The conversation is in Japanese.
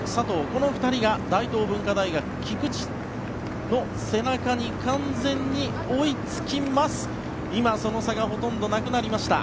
この２人が大東文化大学の背中に完全に追いつきました。